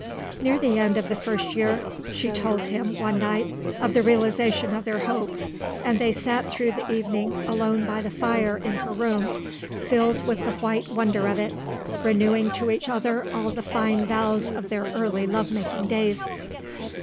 Near the end of the first year she told him one night of the realisation of their hopes and they sat through the evening alone by the fire in her room, filled with the white wonder of it, renewing to each other all the fine vows of their early love making days.